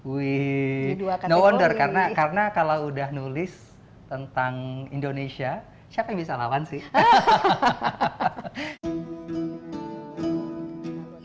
we no wonder karena kalau udah nulis tentang indonesia siapa yang bisa lawan sih